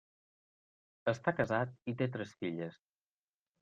Està casat i té tres filles.